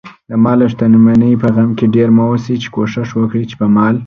دمال اوشتمنۍ په غم کې ډېر مه اوسئ، کوښښ وکړئ، چې په مال